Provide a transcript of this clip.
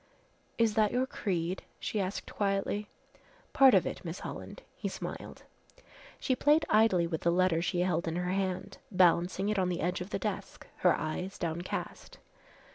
"Is that your creed?" she asked quietly. "Part of it, Miss Holland," he smiled. She played idly with the letter she held in her hand, balancing it on the edge of the desk, her eyes downcast.